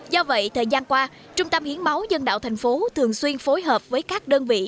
do vậy thời gian qua trung tâm hiến máu nhân đạo tp hcm thường xuyên phối hợp với các đơn vị